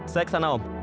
saya kesana om